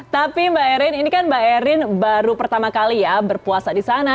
tapi mbak erin ini kan mbak erin baru pertama kali ya berpuasa di sana